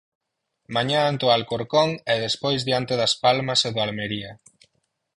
Mañá ante o Alcorcón e despois diante das Palmas e do Almería.